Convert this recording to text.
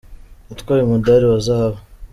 Yatwaye umudali wa zahabu.